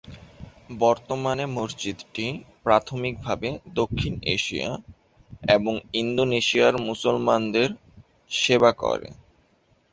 বর্তমানে মসজিদটি প্রাথমিকভাবে দক্ষিণ এশিয়া এবং ইন্দোনেশিয়ার মুসলমানদের সেবা করে।